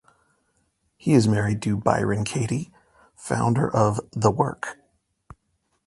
He is married to Byron Katie, founder of The Work.